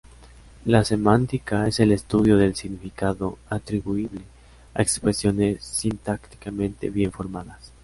La semántica es el estudio del significado atribuible a expresiones sintácticamente bien formadas.